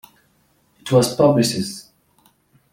It was published in two volumes by Greenhill Books.